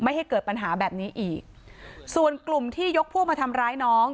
ให้เกิดปัญหาแบบนี้อีกส่วนกลุ่มที่ยกพวกมาทำร้ายน้อง